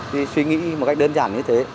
thì suy nghĩ một cách đơn giản như thế